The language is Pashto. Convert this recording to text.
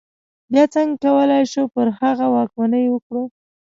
بیا څنګه کولای شو پر هغوی واکمني وکړو.